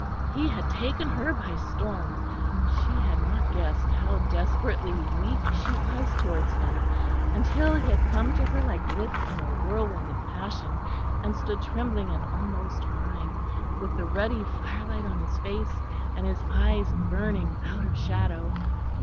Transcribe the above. He had taken her by storm; she had not guessed how desperately weak she was towards him, until he had come to her like this in a whirlwind of passion and stood trembling and almost crying, with the ruddy firelight on his face, and his eyes burning out of shadow.